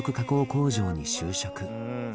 工場に就職